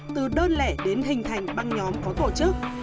từ đơn lẻ đến hình thành băng nhóm có tổ chức